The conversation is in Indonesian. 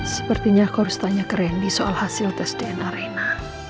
sepertinya kau harus tanya ke randy soal hasil tes dna